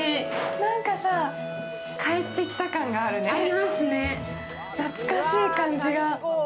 なんかさ、帰ってきた感があるねありますね、懐かしい感じが。